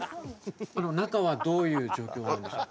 中はどういう状況なんですか？